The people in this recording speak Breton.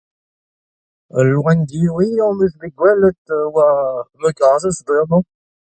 Al loen diwezhañ 'm eus bet gwelet a oa ma gazhez bremañ.